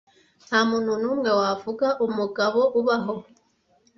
ntamuntu numwe wavuga umugabo ubaho